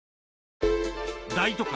大都会